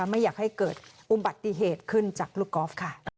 ไม่อยากให้เกิดอุบัติเหตุขึ้นจากลูกกอล์ฟค่ะ